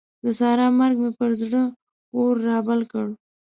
د سارا مرګ مې پر زړه اور رابل کړ.